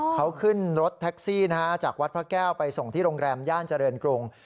เขาขึ้นรถแท็กซี่จากวัดพระแก้วไปส่งที่โรงแรมย่านเจริญกรุง